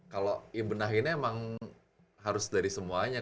kalau ibenahin emang harus dari semuanya